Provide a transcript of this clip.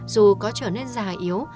dù có trở nên già yếu